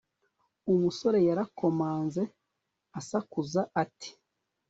Umusore yarakomanze asakuza ati